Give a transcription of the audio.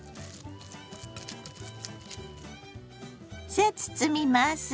さあ包みます！